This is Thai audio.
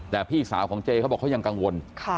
แต่พี่สาวของเจเขาบอกเขายังกังวล